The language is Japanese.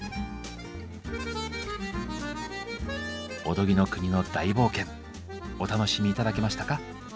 おとぎの国の大冒険お楽しみ頂けましたか？